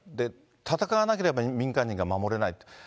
戦わなければ民間人が守れない。